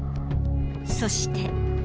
そして。